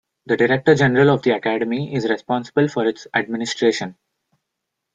The Director General of the academy is responsible for its administration.